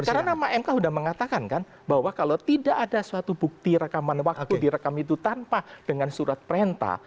karena m k sudah mengatakan kan bahwa kalau tidak ada suatu bukti rekaman waktu direkam itu tanpa dengan surat perintah